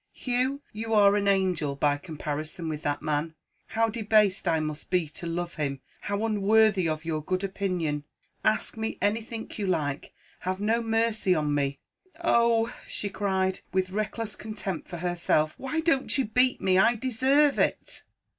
"Hugh! you are an angel, by comparison with that man how debased I must be to love him how unworthy of your good opinion! Ask me anything you like; have no mercy on me. Oh," she cried, with reckless contempt for herself, "why don't you beat me? I deserve it!"